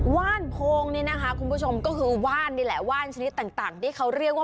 ว่านโพงนี่นะคะคุณผู้ชมก็คือว่านนี่แหละว่านชนิดต่างที่เขาเรียกว่า